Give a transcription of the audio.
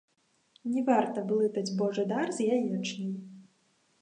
Не варта блытаць божы дар з яечняй.